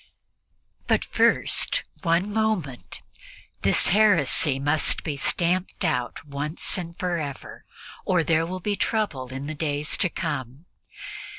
But first one moment this heresy must be stamped out once and forever or there will be trouble in the days to come.